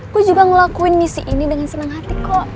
gue juga ngelakuin misi ini dengan senang hati kok